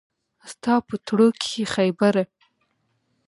ستا په تړو کښې خېبره